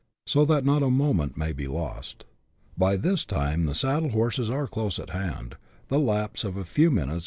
so that not a moment may be lost. By this time the saddle horses are close at hand, the lapse of a few minutes will see CHAP.